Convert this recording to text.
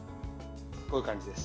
こういう感じです。